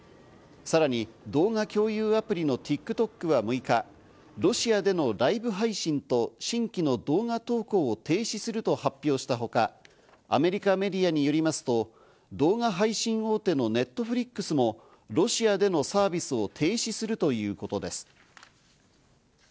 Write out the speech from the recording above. さらに動画共有アプリのＴｉｋＴｏｋは６日、ロシアでのライブ配信と新規の動画投稿を停止すると発表したほか、アメリカメディアによりますと、動画配信大手のネットフリックスもロシアでのサービスを停止するということです。